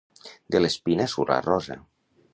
De l'espina surt la rosa.